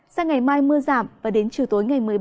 sang ngày mai mưa giảm và đến chiều tối ngày một mươi ba